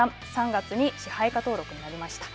３月に支配下登録となりました。